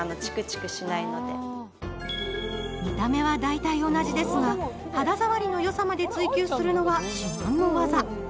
見た目は大体同じですが、肌触りのよさまで追求するのは至難の業。